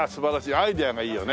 アイデアがいいよね。